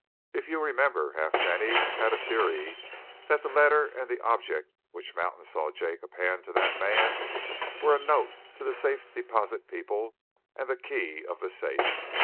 If you remember, Halfpenny had a theory that the letter and the object which Mountain saw Jacob hand to that man were a note to the Safe Deposit people and the key of the safe.